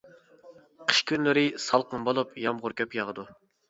قىش كۈنلىرى سالقىن بولۇپ يامغۇر كۆپ ياغىدۇ.